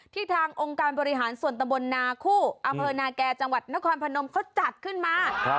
ทางองค์การบริหารส่วนตะบนนาคู่อำเภอนาแก่จังหวัดนครพนมเขาจัดขึ้นมา